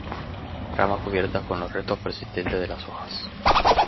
Ramas cubiertas con los restos persistentes de las hojas.